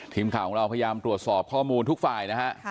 ทีมข่าวของเราพยายามตรวจสอบข้อมูลทุกฝ่ายนะฮะ